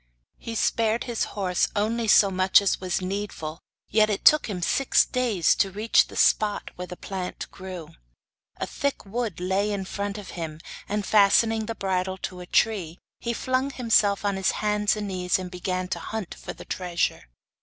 He spared his horse only so much as was needful, yet it took him six days to reach the spot where the plant grew. A thick wood lay in front of him, and, fastening the bridle tightly to a tree, he flung himself on his hands and knees and began to hunt for the treasure.